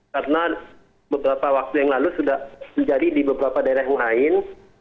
karena beberapa waktu yang lalu sudah terjadi di beberapa daerah yang lain